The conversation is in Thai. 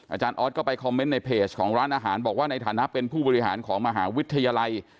อาจารย์ออสก็ไปคอมเมนต์ในเพจของร้านอาหารบอกว่าในฐานะเป็นผู้บริหารของมหาวิทยาลัย